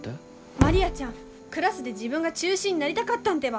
マリアちゃんクラスで自分が中心になりたかったんてば。